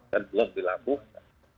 dan belum dilakukan